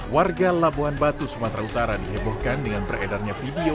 warga labuhan batu sumatera utara dihebohkan dengan beredarnya video